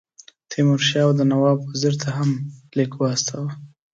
تیمور شاه اَوَد نواب وزیر ته هم لیک واستاوه.